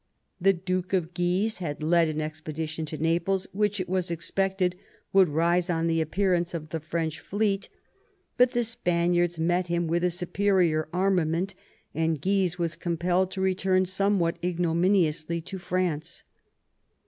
The Duke of Guise had led an expedition to Naples, which, it was expected, would rise on the appear ance of the French fleet. But the Spaniards met him with a superior armament, and Guise was compelled to return somewhat ignominiously to France.